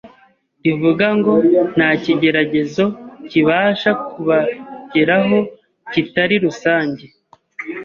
rivugango “Ntakigeragezo kibasha kubageraho kitari rusange